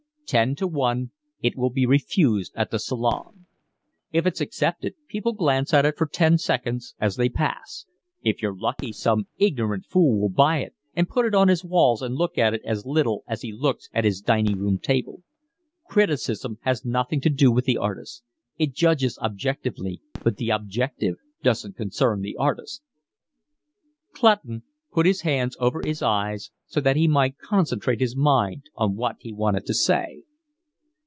Ten to one it will be refused at the Salon; if it's accepted, people glance at it for ten seconds as they pass; if you're lucky some ignorant fool will buy it and put it on his walls and look at it as little as he looks at his dining room table. Criticism has nothing to do with the artist. It judges objectively, but the objective doesn't concern the artist." Clutton put his hands over his eyes so that he might concentrate his mind on what he wanted to say.